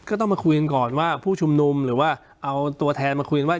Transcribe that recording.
เอาผู้ชุมนุมเอาตัวแทนมาคุยกันว่า